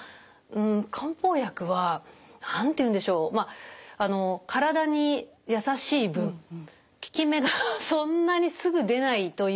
漢方薬は何て言うんでしょうまあ体に優しい分効き目がそんなにすぐ出ないというイメージがあって。